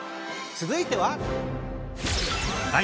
続いては。